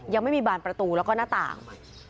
ยังไม่มีบานประตูแล้วก็หน้าต่าง